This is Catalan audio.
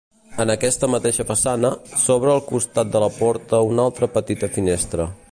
En aquesta mateixa façana, s'obre al costat de la porta una altra petita finestra.